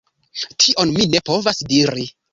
Tion mi ne povas diri.